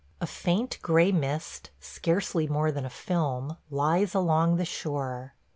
A faint gray mist, scarcely more than a film, lies along the shore.